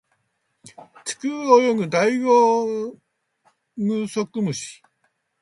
地中を泳ぐダイオウグソクムシ